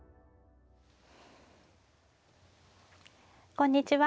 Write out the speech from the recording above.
こんにちは。